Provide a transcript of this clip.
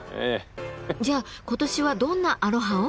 じゃあ今年はどんなアロハを？